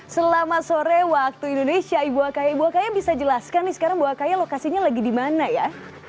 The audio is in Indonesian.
selamat sore waktu indonesia ibu akaya ibu akaya bisa jelaskan nih sekarang ibu akaya lokasinya lagi di mana ya